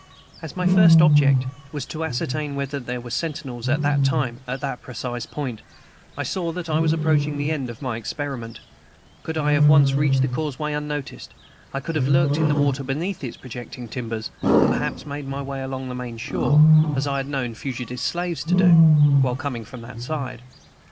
As my first object was to ascertain whether there were sentinels at that time at that precise point, I saw that I was approaching the end of my experiment Could I have once reached the causeway unnoticed, I could have lurked in the water beneath its projecting timbers, and perhaps made my way along the main shore, as I had known fugitive slaves to do, while coming from that side.